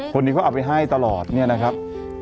คนนี้เขาเอาไปให้ตลอดเนี่ยนะครับ